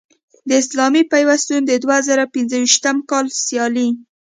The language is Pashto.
د اسلامي پیوستون د دوه زره پنځویشتم کال سیالۍ